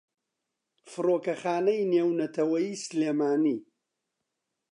فڕۆکەخانەی نێونەتەوەییی سلێمانی